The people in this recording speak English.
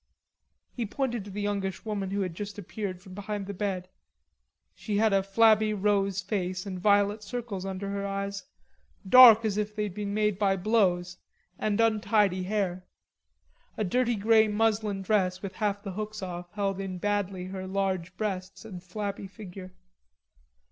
He pointed to a youngish woman who had just appeared from behind the bed. She had a flabby rosy face and violet circles under her eyes, dark as if they'd been made by blows, and untidy hair. A dirty grey muslin dress with half the hooks off held in badly her large breasts and flabby figure.